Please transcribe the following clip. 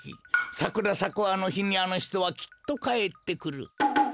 さくらさくあのひにあのひとはきっとかえってくる。